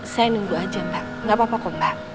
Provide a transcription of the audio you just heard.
saya nunggu aja mbak gak apa apa kok mbak